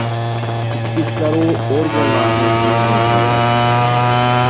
Ichki ishlar organlarining kiyimi o‘zgaradi